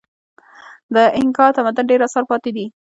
د اینکا تمدن ډېر اثار پاتې دي.